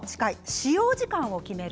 使用時間を決める